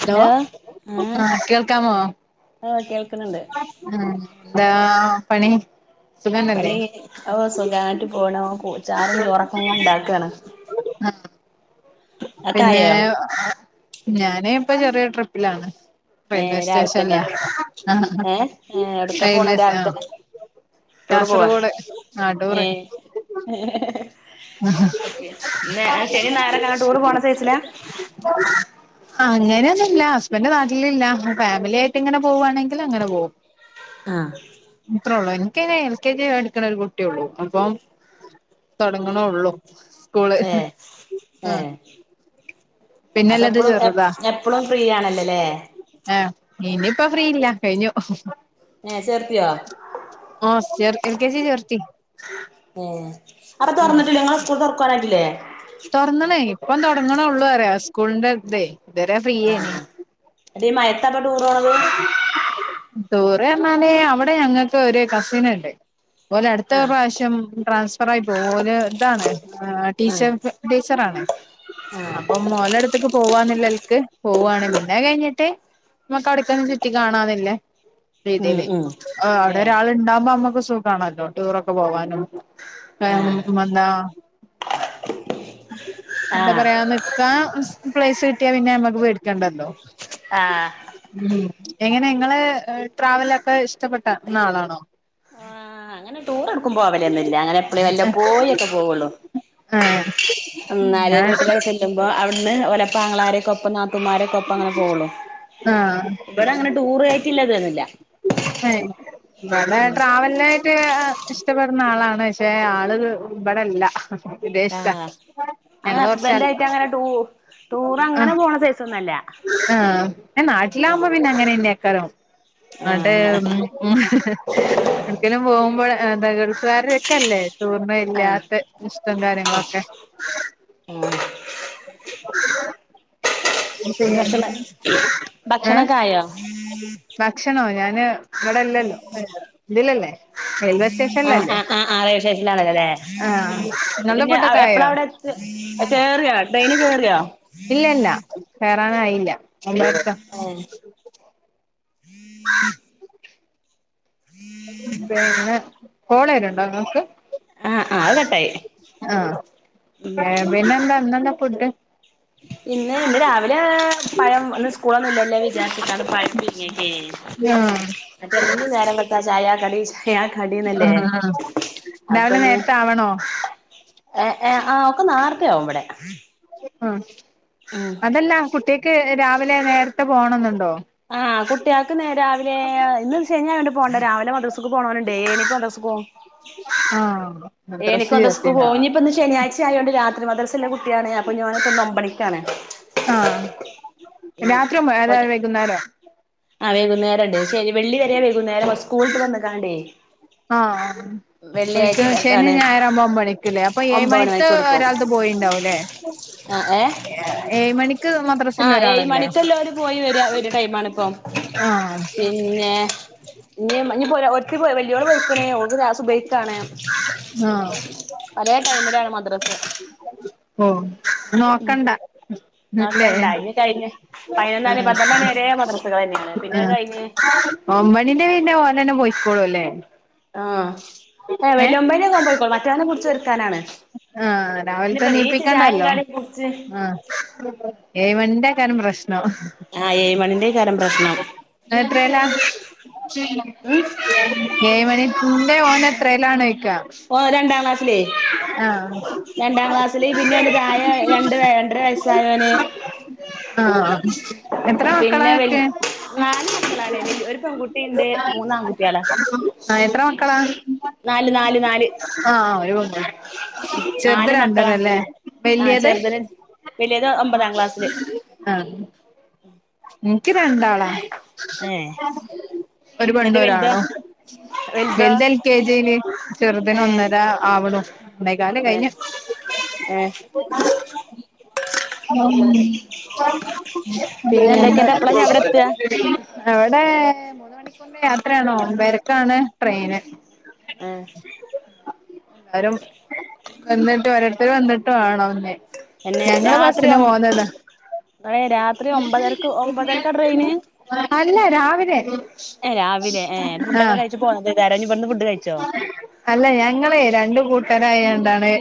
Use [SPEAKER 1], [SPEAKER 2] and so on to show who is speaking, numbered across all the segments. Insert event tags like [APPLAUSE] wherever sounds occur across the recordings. [SPEAKER 1] Hello ഏ
[SPEAKER 2] ആ കേൾക്കാമോ
[SPEAKER 1] ആഹ് കേൾക്കുന്നുണ്ട്
[SPEAKER 2] ആ എന്താ പണി സുഖന്നല്ലേ
[SPEAKER 1] പണി ഓ സുഗായിട്ടു ഓണോ കൊ ചാറും ചോറക്കങ്ങ ഇണ്ടാക്കാണ്
[SPEAKER 2] പിന്നെ ഞാൻ ഏ ഇപ്പൊ ചെറിയ ട്രിപ്പിലാണ് റെയിൽവേ
[SPEAKER 1] ഏഹ് രാവിലെ തന്നെ
[SPEAKER 2] സ്റ്റേഷൻല്ലേ
[SPEAKER 1] ഏഹ് ഏഹ് എവിടക്കാ പോണ
[SPEAKER 2] റെയിൽവേ ആ
[SPEAKER 1] രാവിലെ തന്നെ ടൂറ് പോവാ
[SPEAKER 2] കാസർഗോഡ് നാട്ടൂർ
[SPEAKER 1] ഏഹ്
[SPEAKER 2] ആഹ [INAUDIBLE]
[SPEAKER 1] ശനി ഞായറൊക്കെ അങ്ങനെ ടൂറ് പോണ സൈസിലാ
[SPEAKER 2] അങ്ങനെയൊന്നും ഇല്ല ഹസ്ബൻ് നാട്ട്ലില്ല ഫാമിലി ആയിട്ട് ഇങ്ങനെ പോവുവാണെങ്കിൽ അങ്ങനെ പോകും
[SPEAKER 1] ആഹ്
[SPEAKER 2] ഇത്രള്ളോയ്‌ നു കേ നെ എൽ കെ ജി എടുക്കണ ഒരു കുട്ടിയള്ളൂ അപ്പം തുടങ്ങണോള്ളൂ
[SPEAKER 1] ഏ ഹ് ഏഹ് അപ്പ
[SPEAKER 2] പിന്നെല്ലത്
[SPEAKER 1] എപ്പളും എ എപ്പളും ഫ്രീ ആണല്ലോല്ലേ
[SPEAKER 2] ആഹ് ഇനിയിപ്പോ ഫ്രീയില്ല കഴിഞ്ഞു
[SPEAKER 1] ഏഹ് ചേർത്തിയോ
[SPEAKER 2] ആഹ് ചേർ എൽ കെ ജി ചേർത്തി
[SPEAKER 1] ഏഹ് അവിടെ തുറന്നിട്ടില്ല ങ്ങളെ സ്കൂൾ തുറക്കാനായിട്ടില്ലേ
[SPEAKER 2] തൊർന്ന്ണ് ഇപ്പം തോട്ങ്ണോള്ളൂ അറിയ സ്കൂൾന്റെതേ
[SPEAKER 1] ആഹ് ന്നട്ട് ഈ മയത്തപ്പ ടൂറോണത്
[SPEAKER 2] ടൂർ അർഞ്ഞാല് അവിടെ ഞങ്ങക്ക് ഒരു കസിന്ണ്ട് വോലെ അടുത്ത
[SPEAKER 1] ആഹ്
[SPEAKER 2] പ്രാവശ്യം ട്രാൻസ്ഫർ ആയി പോവൂ ഓല് താണ് ഏഹ്
[SPEAKER 1] ആഹ്
[SPEAKER 2] ടീച്ചർപെ ടീച്ചർ ആണ്
[SPEAKER 1] ആഹ്
[SPEAKER 2] അപ്പംമോലെടുത്ക്ക് പോവന്നില്ലൽക്ക് പോവാണ് പിന്നെ കഴിഞ്ഞിട്ട് മക്കടക്കൊന്നും ചുറ്റി കാണാന്നില്ലേ
[SPEAKER 1] ഉം
[SPEAKER 2] രീതിലേ
[SPEAKER 1] ഉം
[SPEAKER 2] അവിടെ
[SPEAKER 1] ഏഹ്
[SPEAKER 2] ഒരാള് ണ്ടാഉമ്പോ നമ്മുക്ക് സുഖാണല്ലോ ടൂറൊക്കെ പോവാനും
[SPEAKER 1] ആഹ്
[SPEAKER 2] [UNINTELLIGIBLE] മന്ത എന്താ
[SPEAKER 1] ആഹ്
[SPEAKER 2] പറയാന്ന് ക്കാ പ്ലേസ് കിട്ടിയാ പിന്നെ നമ്മക്ക് പേടിക്കണ്ടല്ലോ
[SPEAKER 1] ആഹ്
[SPEAKER 2] ഉം എങ്ങനെ ങ്ങള് ട്രാവലൊക്കെ ഇഷ്ടപ്പെട്ടന്ന ആളാണോ
[SPEAKER 1] ആഹ് അങ്ങനെ ടൂർ എടുക്കും പോവലന്നുല്ല അങ്ങനെ എപ്പളു വല്ല പോയൊക്കെ പോവുള്ളു
[SPEAKER 2] ആഹ്
[SPEAKER 1] ഉം ന്നാല്
[SPEAKER 2] ഞാൻ
[SPEAKER 1] വീട്ടിലൊക്കെ ചെല്ലുമ്പോ അവിടുന്ന് ഒലപ്പ ആങ്ങളാരൊക്കെ ഒപ്പം ന്നാ തൂമാരൊക്കെ ഒപ്പങ്ങനെ പോവുള്ളു
[SPEAKER 2] ആഹ്
[SPEAKER 1] ഇവിടെ അങ്ങനെ ടൂറ് ആയ്ട്ടില്ല ത് ന്നു
[SPEAKER 2] വെടെ
[SPEAKER 1] ഉം
[SPEAKER 2] ട്രാവൽനായിട്ട് എ ഇഷ്ടപ്പെടുന്ന ആളാണ് ക്ഷെ ആള് ഇവിടെല്ല വിദേഷ്ത
[SPEAKER 1] ആഹ് അങ്ങനെ ഹസ്ബന്റ് ആയിട്ട് അങ്ങനെ ട്ടൂ ടൂർ അങ്ങനെ പോണ സെയ്സ ഒന്നല്ല
[SPEAKER 2] ആഹ് നാട്ടിലാവുമ്പോ പിന്നെ അങ്ങനെഅങ്ങ് ആക്കലോ അതെ
[SPEAKER 1] ആഹ്
[SPEAKER 2] ചെറുക്കനും പോകും ഇപ്പഴ് ഗൾഫ്കാരുടെയൊക്കെയല്ലേ തൂ [UNINTELLIGIBLE] ർണ
[SPEAKER 1] ആഹ്
[SPEAKER 2] ഇല്ലാത്ത ഇഷ്ടം കാര്യങ്ങളൊക്കെ
[SPEAKER 1] ആഹ് പിന്നെ ഭക്ഷണ
[SPEAKER 2] ഏ
[SPEAKER 1] ഭക്ഷണയൊക്കെ ആയോ
[SPEAKER 2] ഭക്ഷണോ ഞാന് ഇവിടെല്ലല്ലോ ഇതിലല്ലേ റെയിൽവേ
[SPEAKER 1] ആഹ് ആ ഹ്
[SPEAKER 2] സ്റ്റേഷനിലല്ലേ
[SPEAKER 1] ആ ഹ് ആ റേയിൽവേസ്റ്റേഷനനിൽ വരണേ ആ
[SPEAKER 2] ആഹ്
[SPEAKER 1] വിശേഷാണല്ലോ
[SPEAKER 2] നിങ്ങളുടെ ഫുഡൊക്കെ
[SPEAKER 1] അല്ലേ എപ്പള
[SPEAKER 2] ആയോ
[SPEAKER 1] അവിടെ - കേയറിയൊ ട്രെയ്നിൽ കേയറിയോ
[SPEAKER 2] എത്താറായില്ല എ [UNINTELLIGIBLE] ർക്ക
[SPEAKER 1] ഉം [UNINTELLIGIBLE]
[SPEAKER 2] പിന്നെ കോളയൊക്കെയുണ്ടോ നിങ്ങക്ക്
[SPEAKER 1] ആഹ് ആഹ് അത് കട്ടായി
[SPEAKER 2] ആഹ ഏ പിന്നെ എന്താ എന്താന്നാ ഫുഡ്
[SPEAKER 1] പിന്നെ ഇന്ന് രാവിലെ പഴം ഒന്ന് സ്കൂളൊന്നും ഇല്ലല്ല വിചാരിച്ചി ട്ടാണ് പഴ പുഴുങ്ങിയൊക്കെ ചെയ്തത്
[SPEAKER 2] ആഹ്
[SPEAKER 1] മറ്റേതെന്നും നേരം വെളുത്താൽ ചായ- ഞാൻ കടന്നല്ലേ
[SPEAKER 2] ആഹ് ആഹ്
[SPEAKER 1] അപ്പൊ
[SPEAKER 2] രാവിലെ
[SPEAKER 1] ഇഞ്
[SPEAKER 2] നേരത്തെ ആവണോ
[SPEAKER 1] - ആ അവക്ക് നേരത്തെയാവും ഇവിടെ
[SPEAKER 2] ആഹ്
[SPEAKER 1] ഉം
[SPEAKER 2] അതല്ല കുട്ടിക്ക് രാവിലെ നേരത്തെ പോണന്നുണ്ടോ
[SPEAKER 1] ആഹ് കുട്ടികൾക്ക് ഇന്ന് രാവിലെ ഇന്ന് ശനിയായൊണ്ട് പോവണ്ട- രാവിലെ മദ്രസക്ക് പോണവാനുണ്ടേ എനിക്ക് [UNINTELLIGIBLE] പോ
[SPEAKER 2] ആഹ് മദ്രസ
[SPEAKER 1] എനിക്ക് സ്കൂ
[SPEAKER 2] ചേർത്തിനാ
[SPEAKER 1] പോയിഞ്ഞ ഇപ്പോ ഒന്ന് ശനിയാഴ്ച ആയോണ്ട് രാത്- അത് മദർസേ കുട്ടിയാണ് അപ്പൊ ഓനിപ്പോ ഒൻപത് മണിക്കാണ്
[SPEAKER 2] ആഹ് രാത്രി
[SPEAKER 1] റ്റ
[SPEAKER 2] അതായത് വൈകുന്നേരം
[SPEAKER 1] ആഹ് വൈകുന്നേരം ഇണ്ട് ശരി വെള്ളി വരെയാ - നേര സ്കൂള് വിട്ട് വന്നിക്കാനേ
[SPEAKER 2] ആഹ് ആഹ് ഓലിക്ക് ശനി
[SPEAKER 1] ഇതാണ്
[SPEAKER 2] ഞായറാമ്പോ എണീക്കൂല്ലേ അപ്പൊ ഏഴ്
[SPEAKER 1] ഒമ്പത് മണി
[SPEAKER 2] മണിത്തെ
[SPEAKER 1] മണിക്ക് കൊടുക്കും
[SPEAKER 2] ഒരാളത് പോയിണ്ടാവുംല്ലേ
[SPEAKER 1] ആ ഏ
[SPEAKER 2] ഏഴ് മണിക്ക് മദ്രസ്സല്ലെ ഒരാള്
[SPEAKER 1] മണിക്കെല്ലാര് പോയി വെരാ ഒരു ടൈമാണിപ്പോ
[SPEAKER 2] ആഹ്
[SPEAKER 1] പിന്നെ ഇനി ഇനിപ്പോ ഒര് ഒരുത്തി പോയി വെല്യോള് പോയിക്കണ് ഓക്ക് ക്ലാസ്സ് സുബയിക്കാണ്
[SPEAKER 2] ആഹ്
[SPEAKER 1] പലേ ടൈമിലാണ് മദ്രസ്സ്
[SPEAKER 2] ഓഹ് നോക്കണ്ട ല്ലേ
[SPEAKER 1] നോക്കണ്ട ഇനി കഴിഞ്ഞ് പതിനൊന്നണി
[SPEAKER 2] ആഹ്
[SPEAKER 1] പന്ത്രണ്ടണി വരെ മദ്രസകൾ തന്നെയാണ് പിന്നെ അത് കയിഞ്ഞ്
[SPEAKER 2] ഒമ്പണീന്റെ പിന്നെ ഓനെന്നെ പൊയ്ക്കോളൂല്ലേ
[SPEAKER 1] ആഹ് ഏഹ് വെല്യോമ്പേന് ഓൻ പൊയ് മറ്റോനെ പിടിച്ച് ഒരുക്കാനാണ്
[SPEAKER 2] ആഹ് രാവിലത്തെ
[SPEAKER 1] അയിനിപ്പ നീച്ച് ചായേം
[SPEAKER 2] എണീപ്പിക്കണ്ടല്ലോ
[SPEAKER 1] കടീം കുടിച്ച്
[SPEAKER 2] ആഹ് ഏഴ് മണിൻ്റെ ആക്കാനും പ്രശ്നം.
[SPEAKER 1] ആ ഏഴ് മണിന്റെയ്ക്കാരം പ്രശ്നം
[SPEAKER 2] എത്രേലാ ഏഴ്മണിത്ത് ഇന്റെ ഓനത്രേലാണ് [UNINTELLIGIBLE]
[SPEAKER 1] ഓൻ രണ്ടാം ക്ലാസിലേ
[SPEAKER 2] ആഹ്
[SPEAKER 1] രണ്ടാം ക്ലാസ്സില് പിന്നെ ഓൻ്റെ തായെ രണ്ട് രണ്ടര വയസ്സായോന്
[SPEAKER 2] ആഹ് ആഹ് എത്ര മക്കളാ
[SPEAKER 1] പിന്നെ വൽ
[SPEAKER 2] ഇങ്ങക്ക്?
[SPEAKER 1] നാല് മക്കളാണ് ഒരു പെൺകുട്ടിയുണ്ട് മൂന്ന് ആൺകുട്ടികളാ
[SPEAKER 2] ആഹ് എത്ര മക്കളാ?
[SPEAKER 1] നാല് നാല് നാല്
[SPEAKER 2] ആഹ് ഒരു [UNINTELLIGIBLE] ചെറുത്
[SPEAKER 1] നാല് മക്കളാ
[SPEAKER 2] രണ്ടരല്ലേ
[SPEAKER 1] ആ
[SPEAKER 2] വല്ല്യത്?
[SPEAKER 1] ചെറുതിന് വലിയത് ഒമ്പതാം ക്ലാസ്സില്
[SPEAKER 2] ആഹ് ഇനിക്ക് രണ്ടാളാ
[SPEAKER 1] ഏ
[SPEAKER 2] ഒരു പെണ്ണു
[SPEAKER 1] എന്നിട്ട് വലുതോ
[SPEAKER 2] ഒരാണും,
[SPEAKER 1] വലുതോ
[SPEAKER 2] വെൽത് എൽ കെ ജില് ചെറുതിന്
[SPEAKER 1] ഏ
[SPEAKER 2] ഒന്നര ആവുണു [UNINTELLIGIBLE]
[SPEAKER 1] ഏ
[SPEAKER 2] കയിഞ്ഞു [UNINTELLIGIBLE]
[SPEAKER 1] ഏ പിന്നെ എന്തൊക്കെയണ്ട് എപ്പളാ ഞാൻ അവിടെ എത്തുക
[SPEAKER 2] അവിടെ ഏഹ് മൂന്ന മണിക്കൂറിന്റെ യാത്രയാണോ ഒമ്പരക്കാണ് ട്രെയിന്
[SPEAKER 1] ആ
[SPEAKER 2] എരും വന്നിട്ട് ഓരോരുത്തര് വന്നിട്ടും ആണോന്നെ
[SPEAKER 1] എന്നെ രാത്രി ഒമ് എ രാത് ഇ ഒമ്പതരക്ക് ഒമ്പതരക്കാ ട്രെയിന്
[SPEAKER 2] അല്ല രാവിലെ
[SPEAKER 1] ഏ രാവിലെ ഏ ഫുഡൊക്കെ
[SPEAKER 2] ആഹ്
[SPEAKER 1] കഴിച്ച് പോന്നതേക്കാരം ഇഞ്ഞ് ഇബട്ന്ന് ഫുഡ് കഴിച്ചോ
[SPEAKER 2] അല്ല ഞങ്ങളെ രണ്ടും കൂട്ടാരായാണ്ടാണ്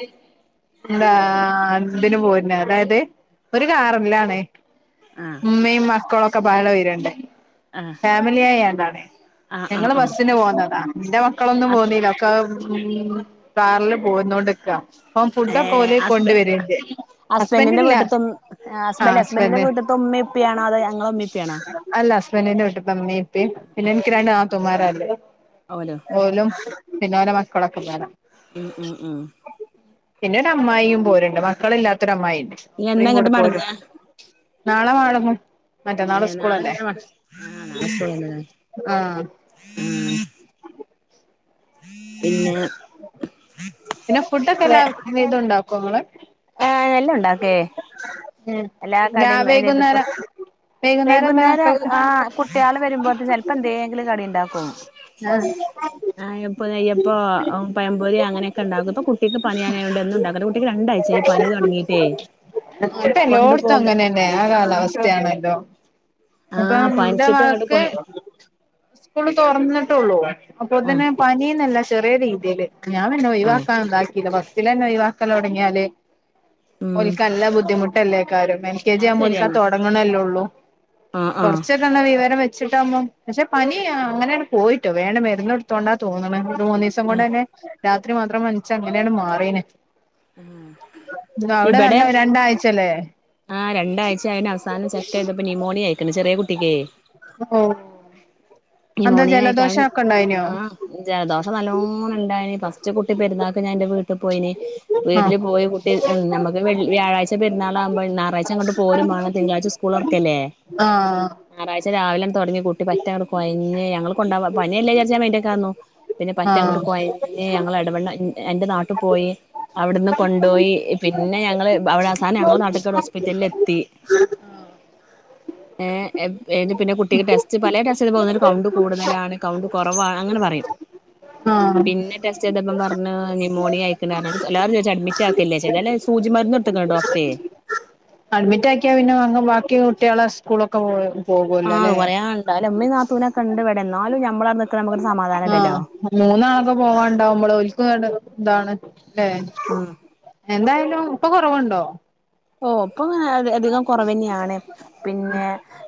[SPEAKER 2] എന്താ അന്തിന് പോന്നെ അതായത് ഒരു കാറല്ലാണേ
[SPEAKER 1] ആഹ്
[SPEAKER 2] ഉമ്മേം മക്കളൊക്കെ പാടെ വര്ണ്ട്
[SPEAKER 1] ആഹ്
[SPEAKER 2] ഫാമിലിയായാണ്ടാണ്
[SPEAKER 1] ആഹ് ആഹ്
[SPEAKER 2] ഞങ്ങള്
[SPEAKER 1] ആഹ്
[SPEAKER 2] ബസ്സിന് പോന്നതാ എന്റെ മക്കളൊന്നും
[SPEAKER 1] ഹസ്
[SPEAKER 2] പോന്നീില്ല ഒക്കെ ഉം കാറില് പോന്നോണ്ട്ക്കാ പ്പം
[SPEAKER 1] ഏ
[SPEAKER 2] ഫുഡൊക്കെ ഓല്
[SPEAKER 1] ഹസ്ബ
[SPEAKER 2] കൊണ്ടുവര്ണ്ട്
[SPEAKER 1] ഹസ്ബന്റിന്റെ
[SPEAKER 2] ഹസ്ബന്റ്ല്ല ആഹ് ഹസ്ബൻഡ്
[SPEAKER 1] ഉമ്മി പ്പിയാണ് അത്
[SPEAKER 2] അല്ല ഹസ്ബെന്റിന്റെ വീട്ട്തെ മ്മി പ്പി പിന്നെൻകി രണ്ട് ന്നാതുമാരല്ലെ
[SPEAKER 1] ഓലോ
[SPEAKER 2] ഓലും പിന്നെ ഓലെ മക്കളൊക്കെ ന്റാടെ
[SPEAKER 1] ഉം ഉം ഉം
[SPEAKER 2] പിന്നെ ഒരു അമ്മായിയും പോരുണ്ട് മക്കള്ല്ലാത്തൊരമ്മായിണ്ട്
[SPEAKER 1] ഇയ്യ് എന്നാ
[SPEAKER 2] വിടേം കൂടെ
[SPEAKER 1] ഇങ്ങട്ട് മടങ്ങാ
[SPEAKER 2] പോരുണ്ട് നാളെ വാഴമു മറ്റന്നാള്
[SPEAKER 1] ഏ നാളെ
[SPEAKER 2] സ്കൂളല്ലേ
[SPEAKER 1] ഇങ്ങട്ടന്നെ മട ആഹ് നാളെ സ്കൂളല്ലല്ലേ
[SPEAKER 2] ആഹ്
[SPEAKER 1] ആഹ് പിന്നെ
[SPEAKER 2] പിന്നെ ഫുഡ് ഒക്കെ എല്ലാം മിതു ണ്ടാക്കൊ ങ്ങള്
[SPEAKER 1] ഏഹ് എല്ലുണ്ടാക്കേ
[SPEAKER 2] ഉം
[SPEAKER 1] എല്ലാ
[SPEAKER 2] രാ
[SPEAKER 1] കടിം അയ്‌ന് ത് പ
[SPEAKER 2] വൈകുന്നേരം വൈകുന്നേരം എന്താ
[SPEAKER 1] വൈകുുന്നേരഹ്
[SPEAKER 2] മക്കൾക്ക്
[SPEAKER 1] ആഹ് കുട്ടിള് വരുമ്പോതിന് ചെൽപ്പോ ന്തെങ്കിലും കറിണ്ടാക്കും
[SPEAKER 2] നാ
[SPEAKER 1] ആയപ്പൊ നെയ്യപ്പോ പയംപൊരി അങ്ങനെ ക്കണ്ടാക്കു ഇപ്പ കുട്ടിക്ക് പനിയ യൊണ്ട് എന്നു ഉണ്ടാക്കത് കുട്ടിക്ക് രണ്ടായ്ച്ചായി പനി തുടങ്ങിട്ടേ കൊണ്ടു
[SPEAKER 2] ഇപ്പല്ലോടത്തു
[SPEAKER 1] പോക
[SPEAKER 2] അങ്ങനെന്നെ ആ കാലാവസ്ഥയാണല്ലോ
[SPEAKER 1] ആ
[SPEAKER 2] ഇപ്പൊ എന്റെ
[SPEAKER 1] പനിച്ചിട്ട് അങ്ങോട്ട്
[SPEAKER 2] മകക്ക്
[SPEAKER 1] പോയ
[SPEAKER 2] ഉസ്കൂള് തൊറന്നിട്ടോള്ളൂ
[SPEAKER 1] ആ
[SPEAKER 2] അപ്പോത്തേന് പനീന്നല്ല ചെറിയ രീതീയില് ഞാൻ പിന്നെ
[SPEAKER 1] ആ
[SPEAKER 2] ഒയിവാക്കാൻ ഇണ്ടാക്കില്ല ഫസ്റ്റിലെന്നെ ഒയിവാക്ക് ക്കല് തൊടങ്ങിയാല്
[SPEAKER 1] ഉം
[SPEAKER 2] ഓൽക്ക് നല്ല ബുദ്ധിമുട്ടല്ലേ ക്കാരം എൽ കെ ജി
[SPEAKER 1] അത്
[SPEAKER 2] ആവുമ്പോ ഓലിക്കാ
[SPEAKER 1] ശരിയാണ്
[SPEAKER 2] തൊടങ്ങണല്ലേ ഉള്ളൂ
[SPEAKER 1] ആ ആ
[SPEAKER 2] കൊറച്ചൊക്കൊന്ന് വിവരം വെച്ച് വെച്ചിട്ടാവുമ്പം പക്ഷെ പനി ആഹ് അങ്ങനെയാണ് പോയിട്ടോ വേണ് മരുന്ന് കൊടുത്തോണ്ടാ തോന്നണ് മൂന്നീസം
[SPEAKER 1] ആ
[SPEAKER 2] കൊണ്ട് തന്നെ രാത്രി മാത്രം പനിച്ച് അങ്ങനെയാണ് മാറീന് ന്താ അവിടെ നല്ല രണ്ടാഴ്ച്ചയല്ലേ?
[SPEAKER 1] ആഹ് രണ്ടായ്ച്ച ആയിന് അവസാനം ചെക്കൻ ഇതിപ്പോ ന്യുമോണിയ അയിക്കണ് ചെറിയ കുട്ടിക്കെ
[SPEAKER 2] ഓ എന്താ
[SPEAKER 1] ന്യുമോണിയ ആയിക്കാണ്
[SPEAKER 2] ജലദോഷം ഒക്കെ ഉണ്ടായിനോ
[SPEAKER 1] ആഹ് ജലദോഷം നല്ലോ ല്ലോണം ഇണ്ടായിന് ഫസ്റ്റ് കൂട്ടി പെരുന്നാക്ക് ഞാൻ ഇന്റെ വീട്ട് പോയിന്
[SPEAKER 2] ആഹ്
[SPEAKER 1] വീട്ടില് പോയി കൂട്ടി ഞമ്മക്ക് വെള്ള് വ്യാഴാഴ്ച്ച പെരുന്നാളാവുമ്പോ ഞാറാഴ്ച്ച ഇങ്ങട്ട് പോരും മാണം താങ്കളാഴ്ച്ച സ്കൂൾ തൊർക്കല്ലെ
[SPEAKER 2] ആഹ്
[SPEAKER 1] ഞാറാഴ് ച്ചേ രാവിലെ അങ്ങ് തൊടങ്ങി കുട്ടി പറ്റെ കൊയഞ്ഞ് ഞങ്ങള് കൊണ്ടോവാൻ പനിയല്ലേ വിചരിച്ച് ഞാൻ മൈൻ്റാക്കാതെ നിന്നു. പിന്നെ പറ്റങ്ങ്
[SPEAKER 2] ആഹ്
[SPEAKER 1] കൊയ ഞ്ഞ് ഞങ്ങള് എടവെണ്ണ എന്റെ നാട്ട് പോയി അവിടുന്ന് കൊണ്ടോയി പിന്നെ ഞങ്ങള് അവിടെ അവസാനം ഞങ്ങളെ നാട്ട്ക്ക് പ്പിറ്റലിലെത്തി ഏഹ് എ പിന്നെ കുട്ടിക്ക് ടെസ്റ്റ് പലേ ടെസ്റ്റ് [UNINTELLIGIBLE] കൗണ്ട് കൂടുതലാണ് കൗണ്ട് കുറവാണ് അങ്ങനെ പറയും
[SPEAKER 2] ആഹ്
[SPEAKER 1] പിന്നെ ടെസ്റ്റെയ്ത ന്നും പറഞ്ഞ് ന്യുമോണിയ ആയിക്കണ് പറഞ്ഞ് എല്ലാരും ചോദിച്ച് അഡ്മിറ്റാക്കല്ലേ [UNINTELLIGIBLE] സൂചി മരുന്ന് കൊടുത്തക്കണ് ഡോക്ടറെ
[SPEAKER 2] അഡ്മിറ്റാക്കിയാ പിന്നെ അങ് ബാക്കി കുട്ടികളെ സ്കൂളൊക്കെ പോ പോകുവല്ലോ
[SPEAKER 1] ആഹ് അത്
[SPEAKER 2] അല്ലേ
[SPEAKER 1] പറയാണ്ടോ അല്ല ഉമ്മേം നാത്തൂനെക്കെണ്ട് ഇവിടെ ന്നാലും ഞമ്മളാ നിക്കുന്നെ അമ്മക്കൊരു
[SPEAKER 2] ആഹ് മൂന്നാളൊക്കെ പോവാൻണ്ടാവുമ്പള് ഓലിക്കും എട ഇതാണ് ഏഹ്
[SPEAKER 1] ഉം
[SPEAKER 2] എന്തായാലും ഇപ്പ കുറവുണ്ടോ?
[SPEAKER 1] ഓ അപ്പം അധികം കുറവ് തന്നെയാണ് പിന്നെ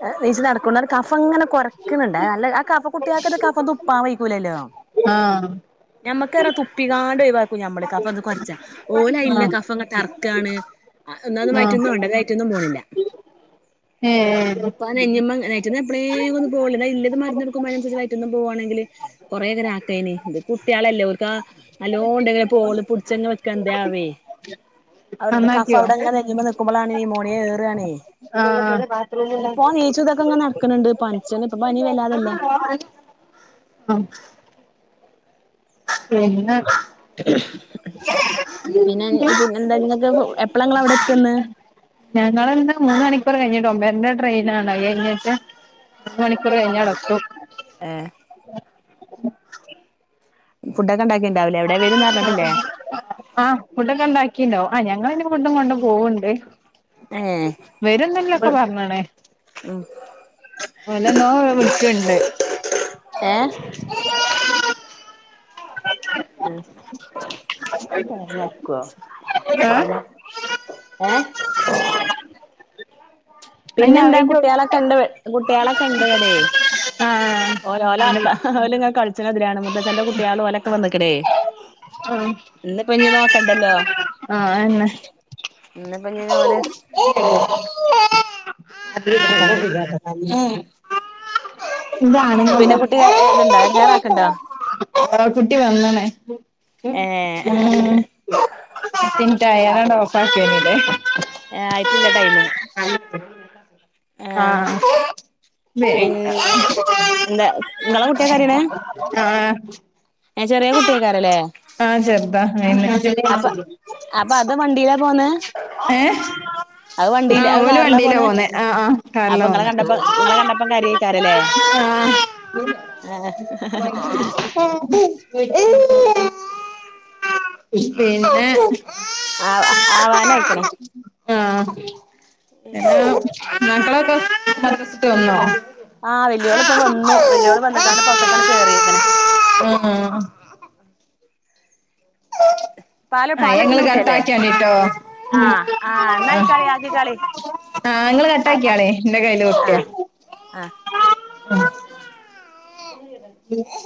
[SPEAKER 1] എണീച്ച് നടക്കുന്നവർക്ക്‌ കഫം അങ്ങനെ കുറക്കണുണ്ട് ആ അല്ല ആ കഫം കുട്ടികൾക്കത് കഫം തുപ്പാൻ കഴിക്കൂലല്ലോ
[SPEAKER 2] ആഹ്
[SPEAKER 1] ഞമ്മക്കേറാ തുപ്പിക്കാണ്ട് ഒഴിവാക്കും ഞമ്മള് കഫം എ കൊറച്ചാ ഓല് ഇല്ല
[SPEAKER 2] ആഹ്
[SPEAKER 1] കഫം അങ്ങോട്ട് ഇറ ക്കാണ് എന്നാ അത് വയറ്റീന്ന്
[SPEAKER 2] ആഹ്
[SPEAKER 1] പോകണ്ടേ വയറ്റീന്നും പോണില്ല
[SPEAKER 2] ഏഹ്
[SPEAKER 1] അപ്പൊ [UNINTELLIGIBLE] വയറ്റീന്ന് എപ്പോളേലും ഒന്നും പോവൂല്ല ഇല്ല മരുന്ന് എടുക്കുമ്പോൾ അതിനനുസരിച്ച് വയറ്റീന്നും പോവാണെങ്കില് കുറേ നേരം ആക്കേന് കുട്ടികളല്ലേ ഓർക്കാ നല്ലോണം ഉണ്ടെങ്കിലെ പോവൂള് പിടിച്ചങ്ങ് വെക്ക ഉണ്ടാവുവേ അ കഫം
[SPEAKER 2] നന്നാക്കിയോ
[SPEAKER 1] അവിടെ അങ്ങനെ നിക്കുമ്പോളാണ് നിമോണിയ കേറുവാണേ
[SPEAKER 2] ആഹ്
[SPEAKER 1] ഓനിപ്പോ എണീച്ചു ഇതൊക്കെ ഇങ്ങനെ നടക്കുന്നുണ്ട് പനിച്ച് ഇപ്പോ പനി വല്ലാതില്ല
[SPEAKER 2] ഉം പിന്നേ
[SPEAKER 1] പിന്നെ പിന്നെന്താ ഇങ്ങക്ക് എപ്പളാ ഇങ്ങള് അവിടെ എത്ത്ന്ന്
[SPEAKER 2] ഞാൻ ഇന്നാള് ഇന്ന് മൂന്ന് മണിക്കൂർ കഴിഞ്ഞിട്ട് മുൻപേ പിന്നേ ട്രെയിനാണ് അത് കഴിഞ്ഞിട്ട് അര മണിക്കൂറ് കഴിഞ്ഞേ ബസുള്ള്
[SPEAKER 1] ഏ ഫു
[SPEAKER 2] ആഹ് ഫുഡൊക്കെ ഉണ്ടാക്കിണ്ടോ ആ ഞങ്ങള് [UNINTELLIGIBLE] ഫുഡും കൊണ്ട് കൊണ്ടും പോവലുണ്ട്
[SPEAKER 1] ഏഹ്
[SPEAKER 2] വരുന്നെല്ലൊക്കെ പറഞ്ഞേണ് നല്ല നോവ് അവൾക്കുണ്ട്
[SPEAKER 1] ഏഹ് ഉണ്ട് ആ [UNINTELLIGIBLE] ഏ
[SPEAKER 2] അയിന്
[SPEAKER 1] പിന്നെന്താ
[SPEAKER 2] അയിന്റെ
[SPEAKER 1] കുട്ടിളൊക്കെ ഉണ്ട് കുട്ടികളൊക്കെ ഒണ്ടവിടെയേ
[SPEAKER 2] ആഹ് അയിന്റെ
[SPEAKER 1] [UNINTELLIGIBLE] കളിച്ച [UNINTELLIGIBLE] മൂത്തശന്റെ കുട്ടികളും ഓലൊക്കെ വന്നക്ക്ണ്.
[SPEAKER 2] ആഹ
[SPEAKER 1] നോക്കണ്ടല്ലോ
[SPEAKER 2] ആഹ ആന്നെ
[SPEAKER 1] ഇന്നപ്പ ഇഞ്ഞ് ഓല് അതാണ്
[SPEAKER 2] [UNINTELLIGIBLE] ഇത
[SPEAKER 1] പിന്നെ കുട്ടി ഇതുണ്ടോ എടങ്ങേറാക്കണ്ടോ
[SPEAKER 2] [UNINTELLIGIBLE] വന്നണ്‌.
[SPEAKER 1] ഏഹ്
[SPEAKER 2] [UNINTELLIGIBLE] റാണ്ട് ഓഫാക്കിന്ന ഇല്ലേ?
[SPEAKER 1] ആ ആയിട്ടില്ല ടൈമ്. ആഹ്
[SPEAKER 2] ആഹ വേ
[SPEAKER 1] പിന്നെ എന്താ നിങ്ങളെ കുട്ടിയാ കരയണേ
[SPEAKER 2] ആഹ
[SPEAKER 1] ചെറിയ കുട്ടിയക്കാരല്ലേ?
[SPEAKER 2] ആഹ് ചേർതാ
[SPEAKER 1] അപ്പൊ അത് വണ്ടിയിലാ പോന്നേ
[SPEAKER 2] ഏഹ്
[SPEAKER 1] അത്
[SPEAKER 2] ആഹ
[SPEAKER 1] വണ്ടിയില് അത്
[SPEAKER 2] ഓര്
[SPEAKER 1] കാറിലാ
[SPEAKER 2] വണ്ടിയിലാ
[SPEAKER 1] പോന്നേ
[SPEAKER 2] പോന്നെ ആഹ ആഹ കാറില
[SPEAKER 1] അപ്പൊ നിങ്ങളെ
[SPEAKER 2] പോന്നേ.
[SPEAKER 1] കണ്ടപ്പോ നിങ്ങളെ കണ്ടപ്പം കരയേക്കാരല്ലേ
[SPEAKER 2] ആ
[SPEAKER 1] ആഹ്
[SPEAKER 2] പിന്നെ
[SPEAKER 1] ആഹ്
[SPEAKER 2] ആഹ എന്ത മക്കളൊക്കെ മർക്കസിട്ടോവന്നോ?
[SPEAKER 1] ആഹ് വെലിയോള് ഇപ്പൊ വന്നു. വല്ലിയോള് വന്നിട്ടാണ് പ്പോ അത്തക്കാണ് കേറിയേക്കണെ
[SPEAKER 2] ആഹ
[SPEAKER 1] പാല്
[SPEAKER 2] ആഹ
[SPEAKER 1] പാല്
[SPEAKER 2] ങ്ങള്
[SPEAKER 1] കുടിച്ചണ കുട്ടിയല്ലേ
[SPEAKER 2] കട്ടക്കിയാണ് ട്ടോ?
[SPEAKER 1] ആ ആ എന്നായിക്കാളി ആക്കിക്കാളി
[SPEAKER 2] ആ ആഹ ഇങ്ങള് കട്ടാക്കിയാളെ ന്റെ കയ്ൽ കുട്ടിയാ.
[SPEAKER 1] അഹ്
[SPEAKER 2] ആ